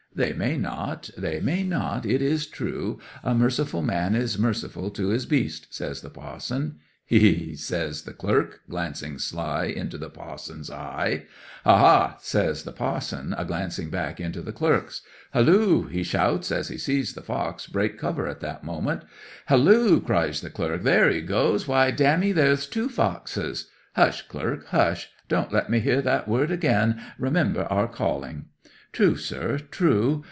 '"They may not, they may not, it is true. A merciful man is merciful to his beast," says the pa'son. '"Hee, hee!" says the clerk, glancing sly into the pa'son's eye. '"Ha, ha!" says the pa'son, a glancing back into the clerk's. "Halloo!" he shouts, as he sees the fox break cover at that moment. '"Halloo!" cries the clerk. "There he goes! Why, dammy, there's two foxes—" '"Hush, clerk, hush! Don't let me hear that word again! Remember our calling." '"True, sir, true.